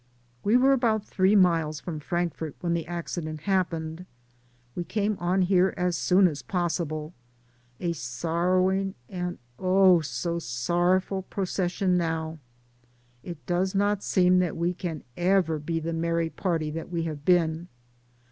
We were about three miles from Frank fort when the accident happened. We came on here as soon as possible — a sorrowing, and oh, so sorrowful, procession now. It does not seem that we can ever be the merry party that we have been.